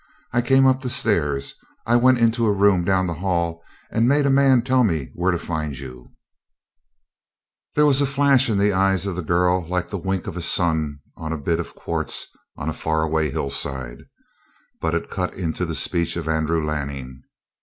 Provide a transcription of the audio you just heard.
I came up the stairs. I went into a room down the hall and made a man tell me where to find you." There was a flash in the eyes of the girl like the wink of sun on a bit of quartz on a far away hillside, but it cut into the speech of Andrew Lanning.